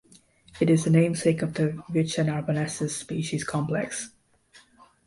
It is the namesake of the "Vicia narbonensis" species complex.